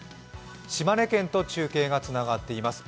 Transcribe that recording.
島根県と中継がつながっています。